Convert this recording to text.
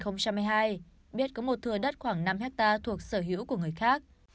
năm hai nghìn hai mươi hai biết có một thừa đất khoảng năm hectare thuộc sở hữu của người khác